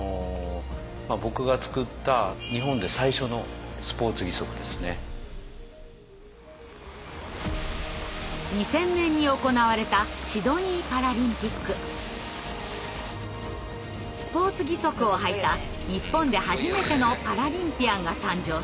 僕が作った２０００年に行われたスポーツ義足を履いた日本で初めてのパラリンピアンが誕生します。